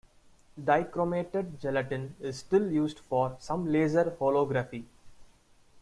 Dichromated gelatine is still used for some laser holography.